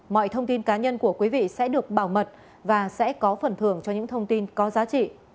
mọi thông tin cá nhân của quý vị sẽ được bảo mật và sẽ có phần thưởng cho những thông tin có giá trị